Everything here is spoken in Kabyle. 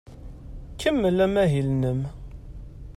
Kemmel amahil-nnem.